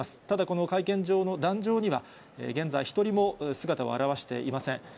ただ、この会見場の壇上には現在、１人も姿を現していません。